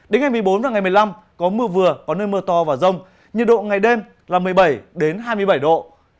đến ngày một mươi bốn và ngày một mươi năm có mưa vừa có nơi mưa to và rông nhiệt độ ngày đêm là một mươi bảy hai mươi bảy độ